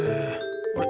あれ？